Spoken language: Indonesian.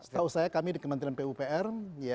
setahu saya kami di kementerian pup ya